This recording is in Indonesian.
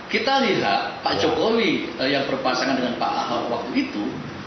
kita lihat pak jokowi yang berpasangan dengan pak ahok waktu itu